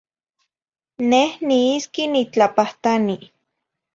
Neh niisqui nitlapahtani.